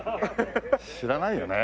知らないよね。